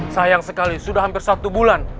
sayang sekali sudah hampir satu bulan